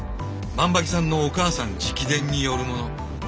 万場木さんのお母さん直伝によるもの。